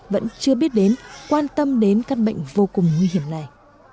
vẫn chưa biết đến quan tâm đến các bệnh vô cùng nguy hiểm này